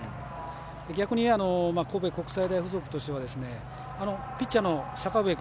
逆に神戸国際大付属としてはピッチャーの阪上君